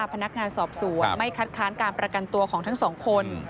บอกว่าพนักงานสอบสู่ไม่คัดค้านการประกันตัวของทั้ง๒คน